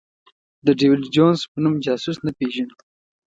د ډېویډ جونز په نوم جاسوس نه پېژنو.